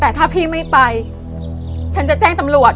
แต่ถ้าพี่ไม่ไปฉันจะแจ้งตำรวจ